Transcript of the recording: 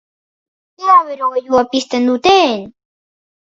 Ea berogailua pizten duten!